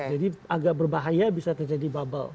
jadi agak berbahaya bisa terjadi bubble